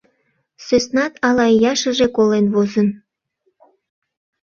Сӧснат ала ияшыже колен возын.